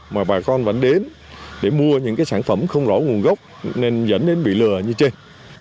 mà bà con vẫn đến để mua những sản phẩm không rõ nguồn gốc nên dẫn đến bị lừa như trên